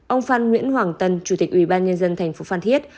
ông phan nguyễn hoàng tân chủ tịch ủy ban nhân dân tp phan thiết